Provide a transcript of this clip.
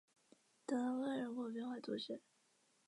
朗雅克人口变化图示